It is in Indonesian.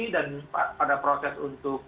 dan pada proses untuk